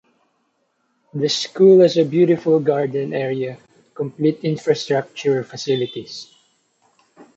The school has a beautiful garden area complete infrastructure facilities.